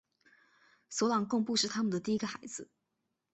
索朗贡布是他们的第一个孩子。